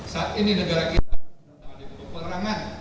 saat ini negara kita diperlukan untuk perangan